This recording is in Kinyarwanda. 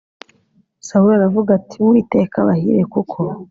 sawuli aravuga ati uwiteka abahire kuko